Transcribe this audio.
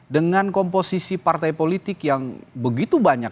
dengan komposisi partai politik yang begitu banyak